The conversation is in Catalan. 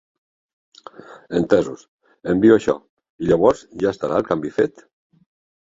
Entesos, envio això i llavors ja estarà el canvi fet?